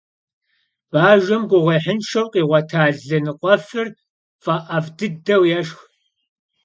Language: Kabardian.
Бажэм гугъуехьыншэу къигъуэта лы ныкъуэфыр фӀэӀэфӀ дыдэу ешх.